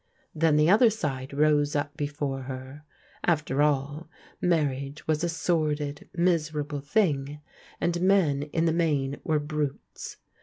Then the other side rose up before her. After all, marriage was a sonfid, miserable thii^ and men in the main were brutes.